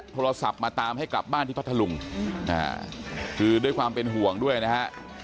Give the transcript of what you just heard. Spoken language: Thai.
โทรศัพท์มาตามให้กลับบ้านที่พัทธลุงคือด้วยความเป็นห่วงด้วยนะฮะ